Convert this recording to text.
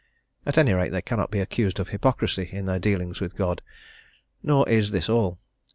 At any rate they cannot be accused of hypocrisy in their dealings with God! Nor is this all.